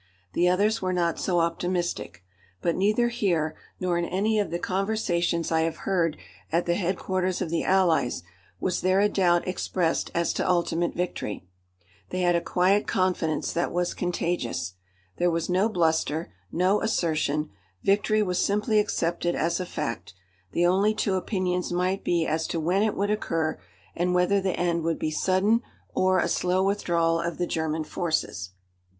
The others were not so optimistic. But neither here, nor in any of the conversations I have heard at the headquarters of the Allies, was there a doubt expressed as to ultimate victory. They had a quiet confidence that was contagious. There was no bluster, no assertion; victory was simply accepted as a fact; the only two opinions might be as to when it would occur, and whether the end would be sudden or a slow withdrawal of the German forces.